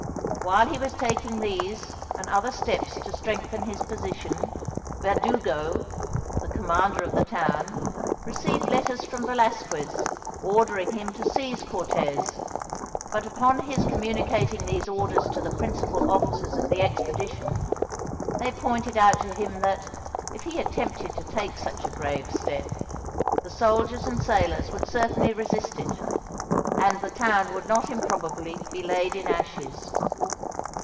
While he was taking these and other steps to strengthen his position, Verdugo, the commander of the town, received letters from Velasquez ordering him to seize Cortez; but upon his communicating these orders to the principal officers of the expedition, they pointed out to him that, if he attempted to take such a grave step, the soldiers and sailors would certainly resist it, and the town would not improbably be laid in ashes.